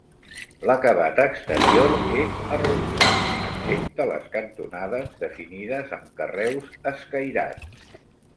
L'acabat exterior és arrebossat, excepte les cantonades, definides amb carreus escairats.